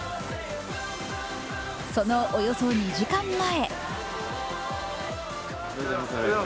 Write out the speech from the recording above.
そのおよそ２時間前。